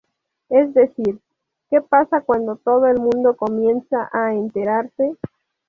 Es decir ¿Que pasa cuando todo el mundo comienza a enterarse?